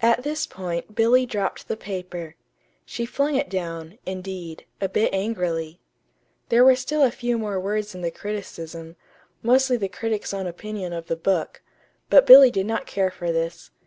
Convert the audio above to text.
At this point Billy dropped the paper. She flung it down, indeed, a bit angrily. There were still a few more words in the criticism, mostly the critic's own opinion of the book; but Billy did not care for this.